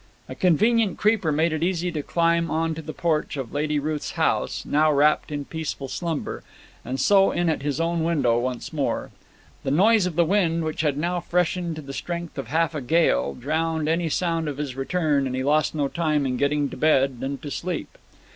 A convenient creeper made it easy to climb on to the porch of Lady Ruth's house, now wrapped in peaceful slumber; and so in at his own window once more. The noise of the wind, which had now freshened to the strength of half a gale, drowned any sound of his return, and he lost no time in getting to bed and to sleep.